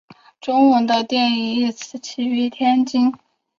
中文的电影一词起源于天津。